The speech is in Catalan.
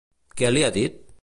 Què li ha dit?